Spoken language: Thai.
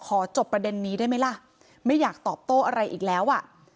จบประเด็นนี้ได้ไหมล่ะไม่อยากตอบโต้อะไรอีกแล้วอ่ะ